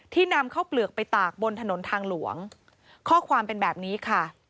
นำเข้าเปลือกไปตากบนถนนทางหลวงข้อความเป็นแบบนี้ค่ะ